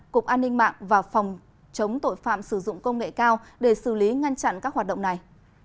cục an ninh mạng và phòng chống tội phạm sử dụng công nghệ cao để xử lý ngăn chặn các hoạt động này